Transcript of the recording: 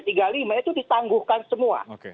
itu ditangguhkan semua